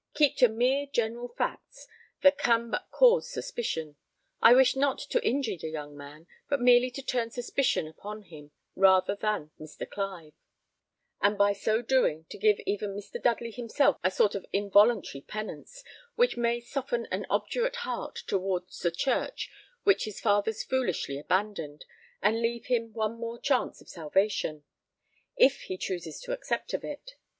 "Keep to mere general facts; that can but cause suspicion. I wish not to injure the young man, but merely to turn suspicion upon him rather than Mr. Clive; and by so doing, to give even Mr. Dudley himself a sort of involuntary penance, which may soften an obdurate heart towards the church which his fathers foolishly abandoned, and leave him one more chance of salvation, if he chooses to accept of it.